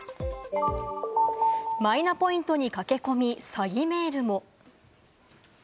マイナポイントに駆け込み、詐欺メールも。